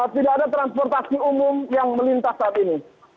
tidak ada transportasi umum yang melintas saat ini